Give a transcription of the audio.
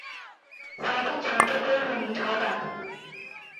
辖境全部归入明朝版图。